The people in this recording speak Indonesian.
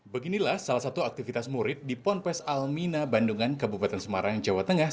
beginilah salah satu aktivitas murid di ponpes almina bandungan kabupaten semarang jawa tengah